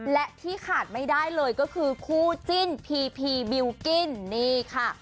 และที่ขาดไม่ได้เลยก็คือคู่จิ้นพีพีบิลกิ้นนี่ค่ะ